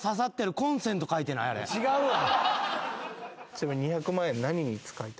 違うわ。